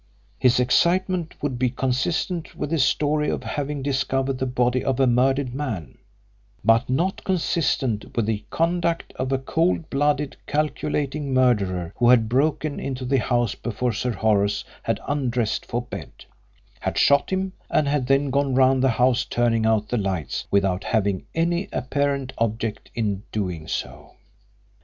His excitement would be consistent with his story of having discovered the body of a murdered man, but not consistent with the conduct of a cold blooded calculating murderer who had broken into the house before Sir Horace had undressed for bed, had shot him, and had then gone round the house turning out the lights without having any apparent object in doing so.